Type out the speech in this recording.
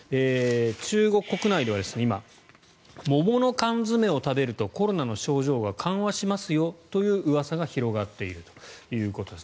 中国国内では今、桃の缶詰を食べるとコロナの症状が緩和しますよといううわさが広がっているということです。